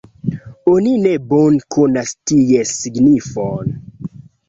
Oni ne bone konas ties signifon.